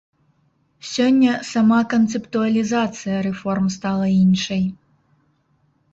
Сёння сама канцэптуалізацыя рэформ стала іншай.